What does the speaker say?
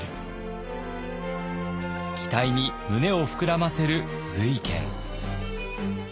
期待に胸を膨らませる瑞賢。